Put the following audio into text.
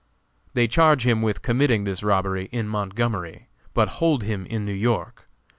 They charge him with committing this robbery in Montgomery, but hold him in New York.